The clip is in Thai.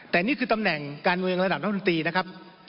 แต่นี่คือตำแหน่งการเงินระดับรัฐธรรมดีนะครับ